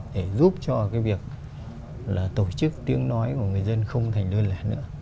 để giúp cho cái việc là tổ chức tiếng nói của người dân không thành đơn lẻ nữa